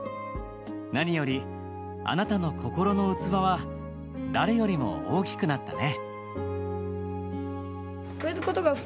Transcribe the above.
何より、あなたの『心』の器は誰よりも大きくなったね」。